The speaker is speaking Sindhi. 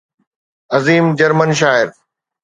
عظيم جرمن شاعر